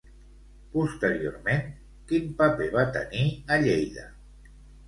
Posteriorment, quin paper va tenir a Lleida?